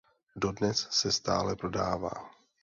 Dodnes se stále prodává.